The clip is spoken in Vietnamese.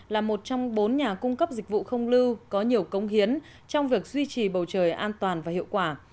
là một trong bốn nhà cung cấp dịch vụ không lưu có nhiều công hiến trong việc duy trì bầu trời an toàn và hiệu quả